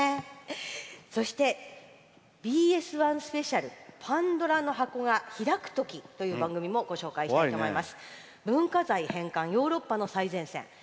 そして、「ＢＳ１スペシャル“パンドラの箱”が開くとき」という番組もご紹介したいと思います。